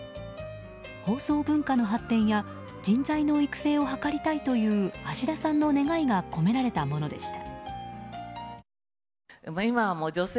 放送文化の発展や人材の育成を図りたいという橋田さんの願いが込められたものでした。